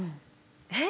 えっ。